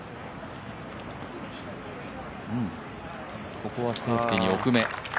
ここはセーフティー奥め。